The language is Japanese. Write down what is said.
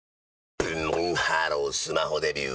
ブンブンハロースマホデビュー！